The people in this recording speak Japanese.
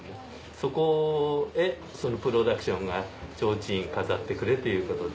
そこへプロダクションが提灯を飾ってくれということで。